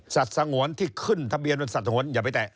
สัตว์สังหวนที่ขึ้นทะเบียนเป็นสัตว์สังหวนอย่าไปแตะ